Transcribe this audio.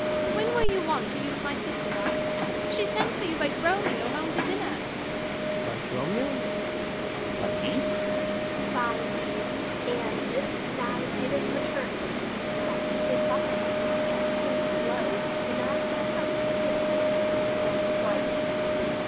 When were you wont to use my sister thus? She sent for you by Dromio home to dinner. Ant. S. By Dromio? Dro. S. By me? 155 Adr. By thee; and this thou didst return from him, That he did buffet thee, and, in his blows, Denied my house for his, me for his wife.